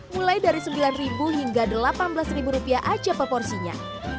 mulai dari sembilan hingga delapan belas rupiah aja proporsinya